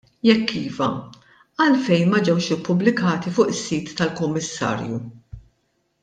Jekk iva, għalfejn ma ġewx ippubblikati fuq is-sit tal-Kummissarju?